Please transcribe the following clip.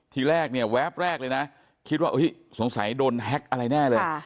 ทีแรกเนี่ยแวบแรกเลยนะคิดว่าสงสัยโดนแฮ็กอะไรแน่เลย